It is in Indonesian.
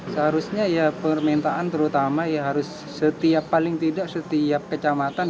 seharusnya permintaan terutama harus setiap paling tidak setiap kecamatan